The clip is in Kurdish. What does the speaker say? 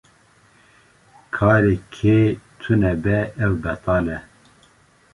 Karê kê tune be ew betal e.